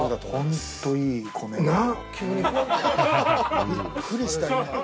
びっくりした今。